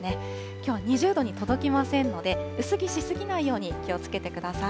きょうは２０度に届きませんので、薄着し過ぎないように気をつけてください。